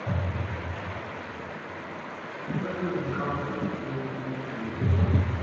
Both she and her son are buried at Bellu cemetery, in Bucharest.